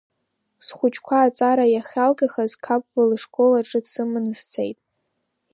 Схәҷқәа аҵара иахьалгахьаз Қапба лышкол аҿы дсыманы сцеит.